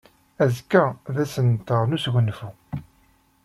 Azekka d ass-nteɣ n wesgunfu.